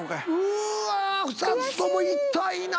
うわ２つとも痛いな。